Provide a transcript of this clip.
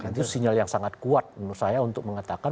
itu sinyal yang sangat kuat menurut saya untuk mengatakan